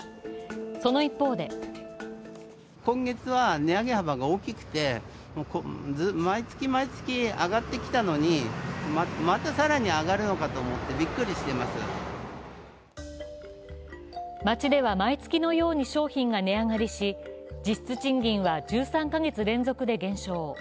その一方で街では毎月のように商品が値上がりし実質賃金は１３か月連続で減少。